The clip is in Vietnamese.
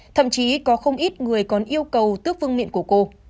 thậm chí có không ít người còn yêu cầu tước vương miệng của cô